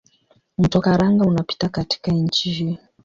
Mto Karanga unapita katika nchi hii.